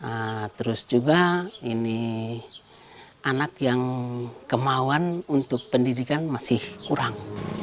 nah terus juga ini anak yang kemauan untuk pendidikan masih kurang